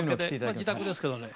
自宅ですけどね